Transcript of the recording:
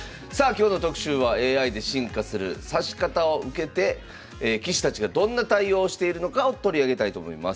今日の特集はＡＩで進化する指し方を受けて棋士たちがどんな対応をしているのかを取り上げたいと思います。